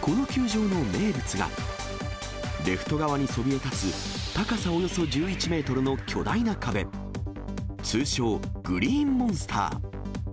この球場の名物が、レフト側にそびえ立つ、高さおよそ１１メートルの巨大な壁、通称、グリーンモンスター。